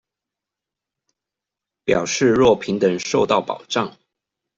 表示若平等受到保障